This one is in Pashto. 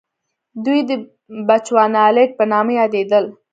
دوی د بچوانالنډ په نامه یادېدل.